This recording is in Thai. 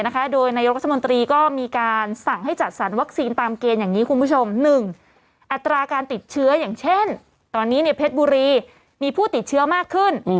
ตอนนี้เนี่ยเพชรบุรีมีผู้ติดเชื้อมากขึ้น